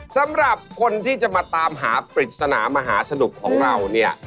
สำหรับคนที่จะมาตามหาปริศนามหาสนุกของเราเนี่ย